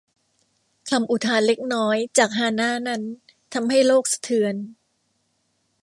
คำอุทานเล็กน้อยจากฮานาด์นั้นทำให้โลกสะเทือน